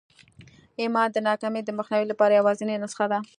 ایمان د ناکامۍ د مخنیوي لپاره یوازېنۍ نسخه ده